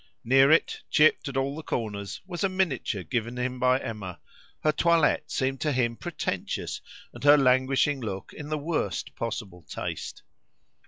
Near it, chipped at all the corners, was a miniature given him by Emma: her toilette seemed to him pretentious, and her languishing look in the worst possible taste.